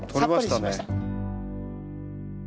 取れましたね。